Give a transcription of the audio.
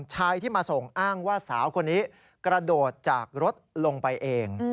ชายที่มาส่งอ้างว่าสาวคนนี้กระโดดจากรถลงไปเอง